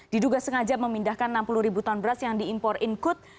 diduga sengaja memindahkan enam puluh ribu ton beras yang diimpor inkut